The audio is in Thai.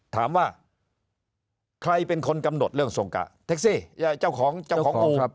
ถามว่าใครเป็นคนกำหนดเรื่องส่งกะแท็กซี่เจ้าของกู